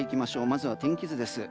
まずは天気図です。